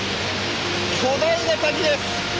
巨大な滝です！